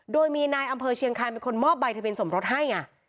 โดยมีนายอำเภอเชียงคายเป็นคนมอบใบทะเบียนสมรสให้ไง